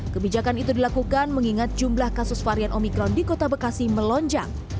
kebijakan itu dilakukan mengingat jumlah kasus varian omikron di kota bekasi melonjak